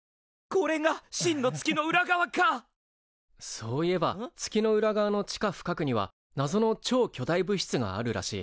そういえば月の裏側の地下深くにはなぞの超巨大物質があるらしい。